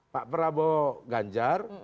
pak prabowo ganjar